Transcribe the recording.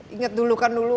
ingat dulu kan dulu